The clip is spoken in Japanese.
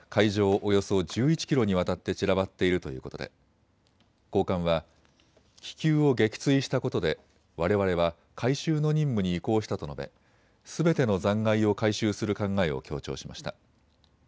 およそ１１キロにわたって散らばっているということで、高官は、気球を撃墜したことでわれわれは回収の任務に移行したと述べ、すべての残骸を回収する考えを強調しました。